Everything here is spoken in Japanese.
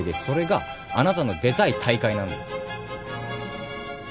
それがあなたの出たい大会なんです。